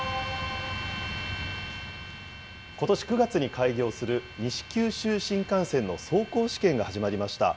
ことし９月に開業する西九州新幹線の走行試験が始まりました。